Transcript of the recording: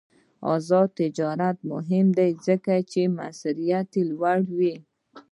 آزاد تجارت مهم دی ځکه چې موثریت لوړوي.